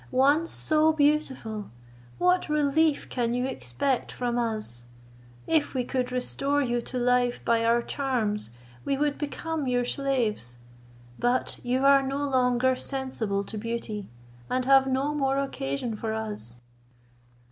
once so beautiful, what relief can you expect from us? If we could restore you to life by our charms, we would become your slaves. But you are no longer sensible to beauty, and have no more occasion for us."